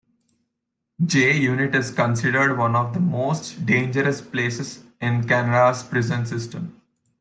J unit is considered one of the most dangerous places in Canada's prison system.